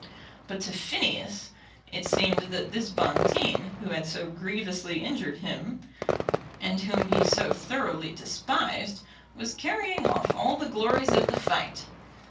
But to Phineas it seemed that this Bonteen, who had so grievously injured him, and whom he so thoroughly despised, was carrying off all the glories of the fight.